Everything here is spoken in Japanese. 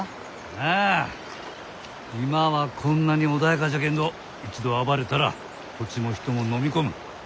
ああ今はこんなに穏やかじゃけんど一度暴れたら土地も人ものみ込む。